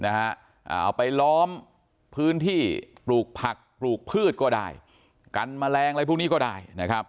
เอาไปล้อมพื้นที่ปลูกผักปลูกพืชก็ได้กันแมลงอะไรพวกนี้ก็ได้นะครับ